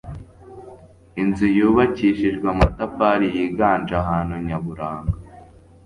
Inzu yubakishijwe amatafari yiganje ahantu nyaburanga,